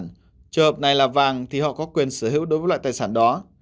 trong trường hợp này là vàng thì họ có quyền sở hữu đối với loại tài sản đó